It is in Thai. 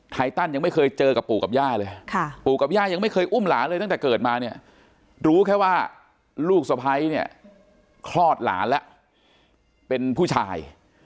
ไตตันยังไม่เคยเจอกับปู่กับย่าเลยปู่กับย่ายังไม่เคยอุ้มหลานเลยตั้งแต่เกิดมาเนี่ยรู้แค่ว่าลูกสะพ้ายเนี่ยคลอดหลานแล้วเป็นผู้ชาย